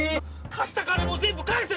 貸した金も全部返せ！